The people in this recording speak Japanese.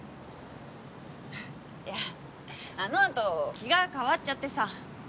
フフッいやあのあと気が変わっちゃってさ。